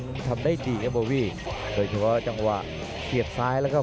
เป็นมวยที่หัวจิตหัวใจในเกินร้อยครับ